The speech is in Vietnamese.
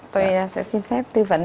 tôi sẽ xin phép tư vấn